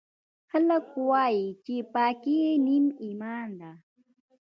خلکوایي چې پاکۍ نیم ایمان ده